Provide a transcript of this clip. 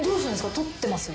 撮ってますよね？